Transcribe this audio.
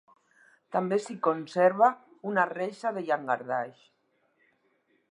També s'hi conserva una reixa de llangardaix.